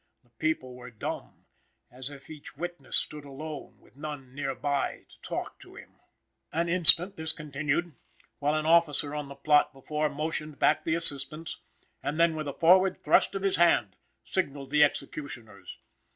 The people were dumb, as if each witness stood alone with none near by to talk to him. An instant this continued, while an officer on the plot before, motioned back the assistants, and then with a forward thrust of his hand, signaled the executioners.